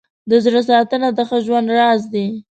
د زړه ساتنه د ښه ژوند راز دی.